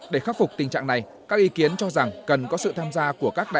để khắc phục tình trạng này các ý kiến cho rằng cần có sự tham gia của các đại biểu